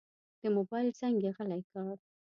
د موبایل زنګ یې غلی کړ.